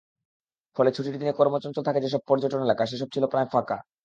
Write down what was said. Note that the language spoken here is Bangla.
ফলে ছুটির দিনে কর্মচঞ্চল থাকে যেসব পর্যটন এলাকা সেসব ছিল প্রায় ফাঁকা।